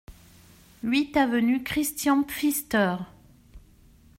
huit avenue Christian Pfister